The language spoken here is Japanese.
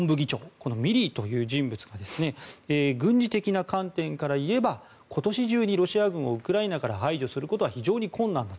このミリーという人物が軍事的な観点からいえば今年中にロシア軍をウクライナから排除することは非常に困難だと。